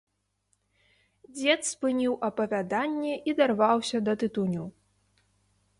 Дзед спыніў апавяданне і дарваўся да тытуню.